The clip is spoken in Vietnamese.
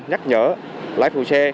nhắc nhở lái phụ xe